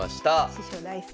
師匠大好き。